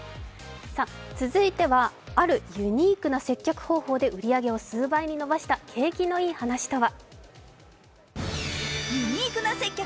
続いてはあるユニークな接客方法で売り上げを数倍に伸ばした景気のいい話とは？